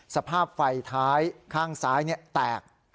สภาพไฟท้ายข้างซ้ายแตก